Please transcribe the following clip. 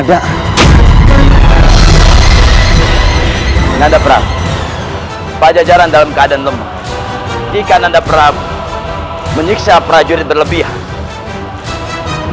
jalan jalan dalam keadaan lemah nanda prabu meniksa prajurit berlebihan